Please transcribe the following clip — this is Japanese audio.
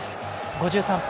５３分。